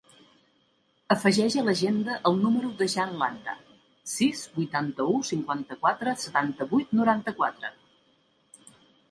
Afegeix a l'agenda el número del Jan Landa: sis, vuitanta-u, cinquanta-quatre, setanta-vuit, noranta-quatre.